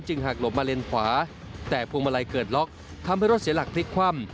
หักหลบมาเลนขวาแต่พวงมาลัยเกิดล็อกทำให้รถเสียหลักพลิกคว่ำ